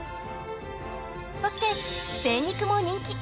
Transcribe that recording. ［そして精肉も人気］